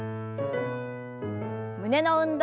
胸の運動。